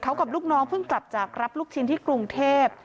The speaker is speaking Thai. เขากับลูกน้องเพิ่งกลับจากรับลูกชิ้นที่กรุงเทพ